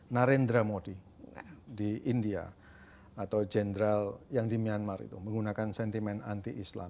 narendra modi di india atau jenderal yang di myanmar itu menggunakan sentimen anti islam